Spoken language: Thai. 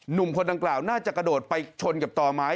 หนุ่มคนดังกล่าวน่าจะกระโดดไปชนกับต่อไม้